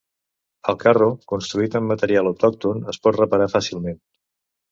El carro, construït amb material autòcton, es pot reparar fàcilment.